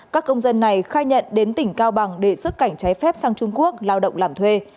các công dân này khai nhận đến tỉnh cao bằng để xuất cảnh trái phép sang trung quốc lao động làm thuê